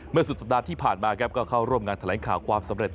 เมื่อสุดสัปดาห์ที่ผ่านมาก็เข้าร่วมงานแถลงขาความสำเร็จ